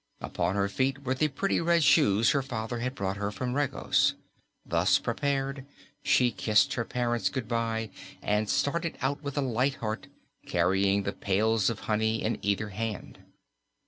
Upon her feet were the pretty red shoes her father had brought her from Regos. Thus prepared, she kissed her parents good bye and started out with a light heart, carrying the pails of honey in either hand.